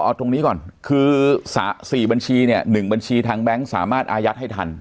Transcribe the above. เอาตรงนี้ก่อนคือ๔บัญชีเนี่ย๑บัญชีทางแบงค์สามารถอายัดให้ทัน